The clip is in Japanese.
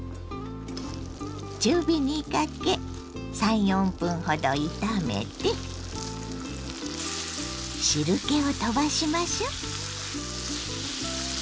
中火にかけ３４分ほど炒めて汁けを飛ばしましょう。